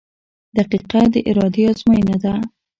• دقیقه د ارادې ازموینه ده.